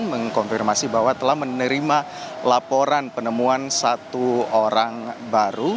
mengkonfirmasi bahwa telah menerima laporan penemuan satu orang baru